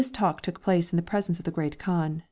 talk took place in the presence of the Great Kaan.